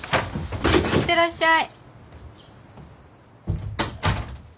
いってらっしゃい。